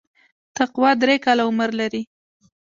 تقوا درې کاله عمر لري.